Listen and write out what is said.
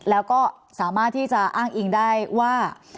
แล้วก็สามารถที่จะอ้างอิงได้ว่า